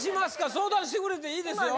相談してくれていいですよ・